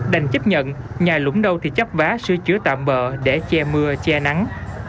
đành chấp nhận nhà lũng đâu thì chấp vá sửa chữa tạm bờ để che mưa che nắng